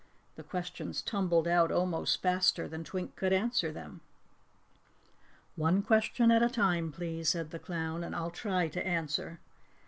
The questions tumbled out almost faster than Twink could ask them. "One question at a time, please," said the clown, "and I'll try to answer.